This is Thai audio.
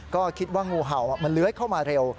ก็คิดว่างูเห่ามันเลื้อยเข้ามาเร็ว